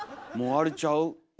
もうあれちゃう？